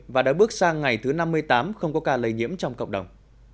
và đã bước sang ngày thứ năm mươi tám không có ca lây nhiễm trong cộng đồng